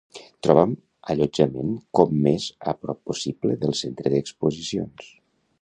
Troba'm allotjament com més a prop possible del centre d'exposicions.